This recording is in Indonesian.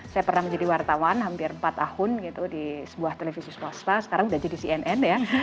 saya pernah menjadi wartawan hampir empat tahun gitu di sebuah televisi swasta sekarang udah jadi cnn ya